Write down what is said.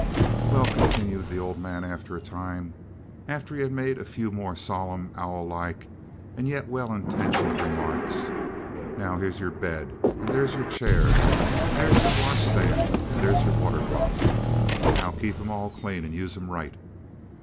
"Well," continued the old man after a time, after he had made a few more solemn, owl like, and yet well intentioned remarks, "now here's your bed, and there's your chair, and there's your wash stand, and there's your water closet. Now keep 'em all clean and use 'em right."